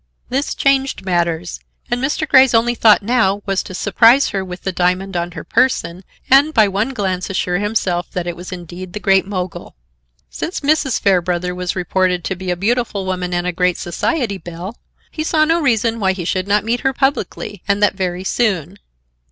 This changed matters, and Mr. Grey's only thought now was to surprise her with the diamond on her person and by one glance assure himself that it was indeed the Great Mogul. Since Mrs. Fairbrother was reported to be a beautiful woman and a great society belle, he saw no reason why he should not meet her publicly, and that very soon.